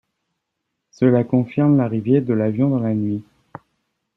Cela confirme l'arrivée de l'avion dans la nuit.